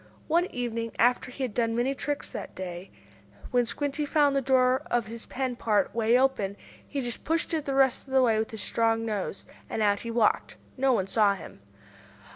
One evening, after he had done many tricks that day, when Squinty found the door of his pen part way open, he just pushed it the rest of the way with his strong nose, and out he walked! No one saw him.